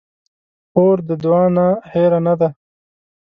خور د دعا نه هېره نه ده.